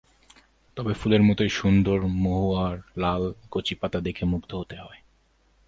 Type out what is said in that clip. তবে ফুলের মতোই সুন্দর মহুয়ার লাল কচিপাতা দেখে মুগ্ধ হতে হয়।